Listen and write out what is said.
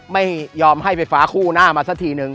ไม่ยอมให้ไฟฟ้าคู่หน้ามาสักทีนึง